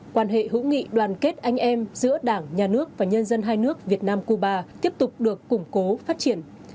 quan hệ hữu nghị đoàn kết anh em giữa đảng nhà nước và nhân dân hai nước việt nam cuba tiếp tục được củng cố phát triển